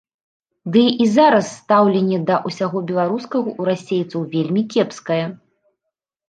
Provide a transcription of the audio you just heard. Дый і зараз стаўленне да ўсяго беларускага ў расейцаў вельмі кепскае.